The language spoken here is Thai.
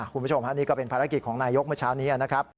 คุณผู้ชมฮะนี่ก็เป็นภารกิจของนายกเมื่อเช้านี้นะครับ